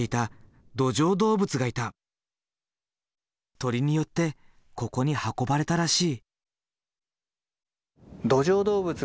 鳥によってここに運ばれたらしい。